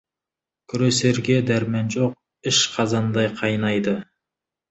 Күресерге дәрмен жоқ, іш қазандай қайнайды.